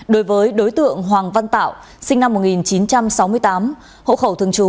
đối với đối tượng hoàng văn tạo sinh năm một nghìn chín trăm sáu mươi tám